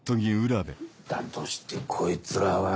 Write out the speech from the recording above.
だとしてこいつらは。